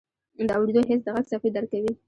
د اورېدو حس د غږ څپې درک کوي.